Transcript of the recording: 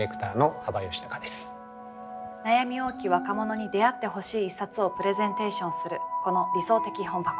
悩み多き若者に出会ってほしい一冊をプレゼンテーションするこの「理想的本箱」。